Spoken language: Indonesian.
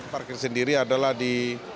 parkir sendiri adalah di